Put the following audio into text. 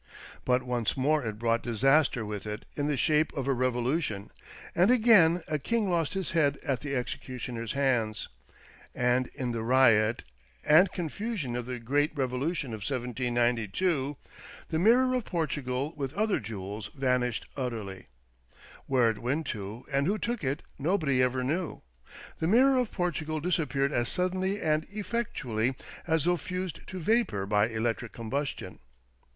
But once more it brought disaster with it in the shape of a revolution, and again a king lost his head at the executioner's hands. And in the riot and CASE OF THE ''MIRROR OF PORTUGAL'' 105 confusion of the great Eevolution of 1792 the " Mirror of Portugal," with other jewels, vanished utterly. Where it went to, and who took it, nobody ever knew. The "Mirror of Portugal" disappeared as suddenly and effectually as though fused to vapour by electric combustion.